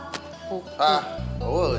iya si kemut